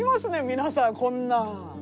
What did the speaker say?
皆さんこんな。